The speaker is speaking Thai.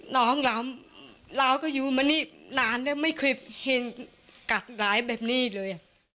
น้องล้ำเราก็อยู่มานี่นานแล้วไม่เคยเห็นกัดร้ายแบบนี้เลย